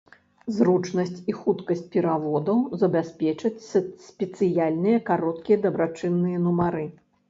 Зручнасць і хуткасць пераводаў забяспечаць спецыяльныя кароткія дабрачынныя нумары.